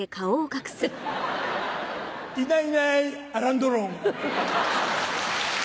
いないいないアラン・ドロン！